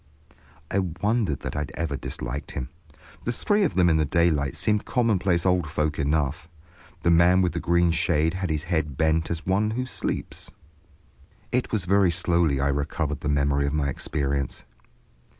I wondered that I had ever disliked him. The three of them in the daylight seemed commonplace old folk enough. The man with the green shade had his head bent as one who sleeps. It was very slowly I recovered the memory of my experience.